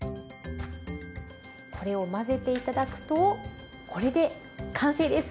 これを混ぜて頂くとこれで完成です。